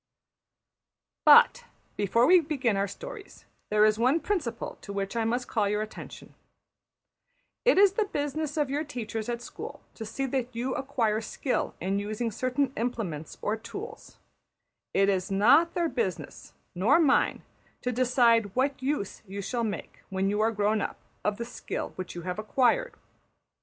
But, before we begin our stories, there is one principle to which I must call your attention: it is the business of your teachers at school to see that you acquire skill in using certain implements or tools; it is not their business nor mine to decide what use you shall make, when you are grown up, of the skill which you have acquired.